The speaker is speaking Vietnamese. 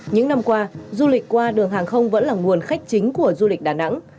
những năm qua du lịch qua đường hàng không vẫn là nguồn khách chính của du lịch đà nẵng